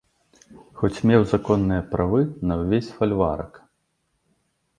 Хоць меў законныя правы на ўвесь фальварак.